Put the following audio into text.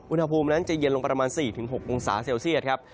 อุณหภูมินั้นจะเย็นลงประมาณ๔๖องศาเซลเซียตครับ